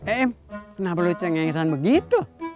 em kenapa lu cengengsan begitu